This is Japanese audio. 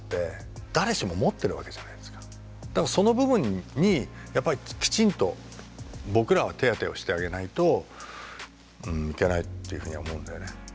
だからその部分にやっぱりきちんと僕らは手当てをしてあげないといけないっていうふうには思うんだよね。